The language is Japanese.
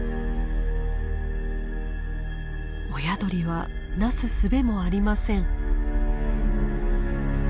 親鳥はなすすべもありません。